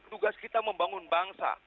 tugas kita membangun bangsa